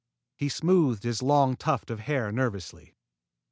He smoothed his long tuft of hair nervously.